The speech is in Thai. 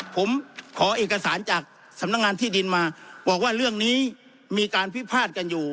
ผมขอเอกสารจากสำนักงานที่ดินมาบอกว่าเรื่องนี้มีการพิพาทกันอยู่